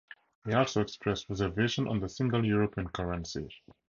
He also expressed reservations on the single European currency.